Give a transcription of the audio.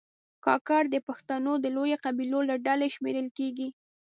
کاکړ د پښتنو د لویو قبیلو له ډلې شمېرل کېږي.